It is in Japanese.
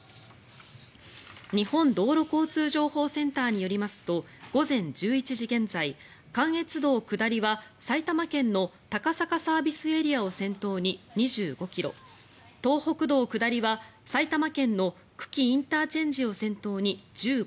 日本道路交通情報センターによりますと午前１１時現在、関越道下りは埼玉県の高坂ＳＡを先頭に２５ｋｍ東北道下りは埼玉県の久喜ＩＣを先頭に１５ｋｍ